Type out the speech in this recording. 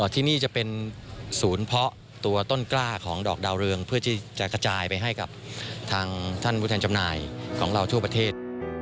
ที่นี่จะเป็นศูนย์เพาะตัวต้นกล้าของดอกดาวเรืองเพื่อที่จะกระจายไปให้กับทางท่านผู้แทนจำหน่ายของเราทั่วประเทศ